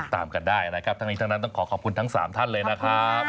ตามกันได้นะครับทั้งนี้ทั้งนั้นต้องขอขอบคุณทั้ง๓ท่านเลยนะครับ